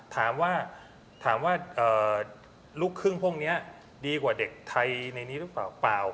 ถามว่าถามว่าลูกครึ่งพวกนี้ดีกว่าเด็กไทยในนี้หรือเปล่าเปล่า